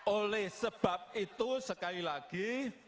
oleh sebab itu sekali lagi